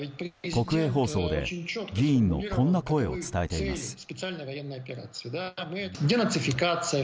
国営放送で、議員のこんな声を伝えています。